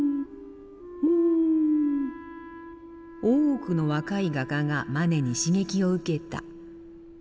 多くの若い画家がマネに刺激を受けた。